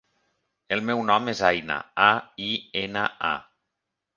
El meu nom és Aina: a, i, ena, a.